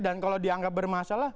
dan kalau dianggap bermasalah